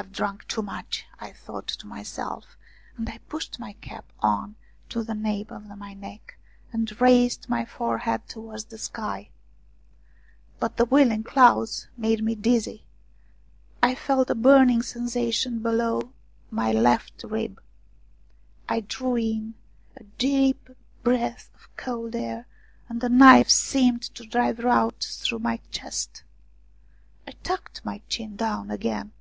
" I have drunk too much," I thought to myself, as I pushed my cap on to the nape of my neck, and raised my forehead towards the sky. But the whirling clouds made me dizzy. I felt a burning sensation below my left rib. I drew in a deep breath of cold air, and a knife seemed to drive right through my chest. I tucked my chin down again.